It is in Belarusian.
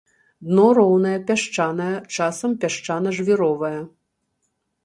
Дно роўнае, пясчанае, часам пясчана-жвіровае.